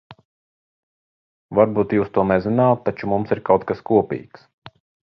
Varbūt jūs to nezināt, taču mums ir kaut kas kopīgs.